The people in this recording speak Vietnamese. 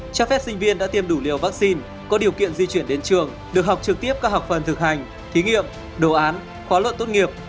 cho phép sinh viên đã tiêm đủ liều vaccine có điều kiện di chuyển đến trường được học trực tiếp các học phần thực hành thí nghiệm đồ án khóa luận tốt nghiệp